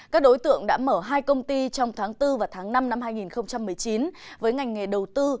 các đối tượng đã mở hai công ty trong tháng bốn và tháng năm năm hai nghìn một mươi chín với ngành nghề đầu tư